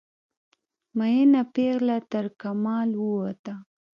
میینه پیغله ترکمال ووته